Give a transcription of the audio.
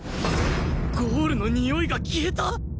ゴールのにおいが消えた！？